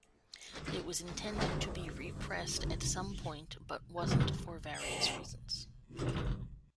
It was intended to be re-pressed at some point but wasn't for various reasons.